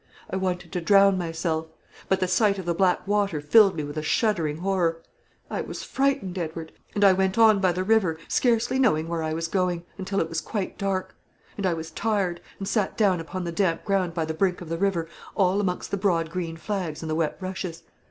I wanted to drown myself; but the sight of the black water filled me with a shuddering horror. I was frightened, Edward; and I went on by the river, scarcely knowing where I was going, until it was quite dark; and I was tired, and sat down upon the damp ground by the brink of the river, all amongst the broad green flags and the wet rushes.